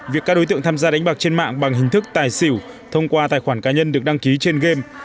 việc các đối tượng tham gia đánh bạc trên mạng bằng hình thức tài xỉu thông qua tài khoản cá nhân được đăng ký trên game